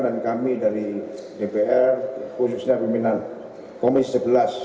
dan kami dari dpr khususnya peminat komisi sebelas